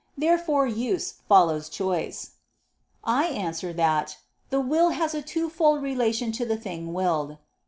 Therefore use follows choice. I answer that, The will has a twofold relation to the thing willed.